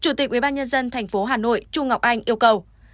ubnd tp hà nội chu ngọc anh yêu cầu